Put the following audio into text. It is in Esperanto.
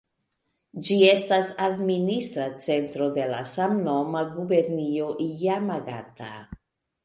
Ĝi estas administra centro de la samnoma gubernio Jamagata.